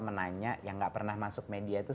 menanya yang gak pernah masuk media itu